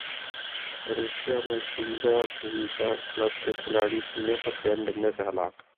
کروشیا مرسینجا Pozega club کا کھلاڑی سینے پر گیند لگنے سے ہلاک